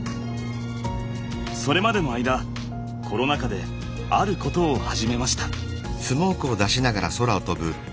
それまでの間コロナ禍であることを始めました。